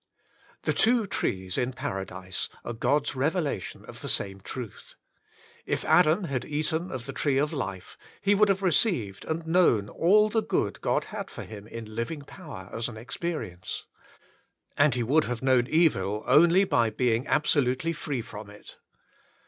The two trees in Paradise are God^s revela tion of the same truth. If Adam had eaten of the tree of life, he would have received and known all the good God had for him in living power as an experience. And he would have known evil only by being absolutely free from it.